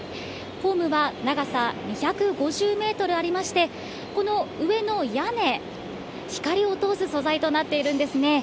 ホームは長さ２５０メートルありまして、この上の屋根、光を通す素材となっているんですね。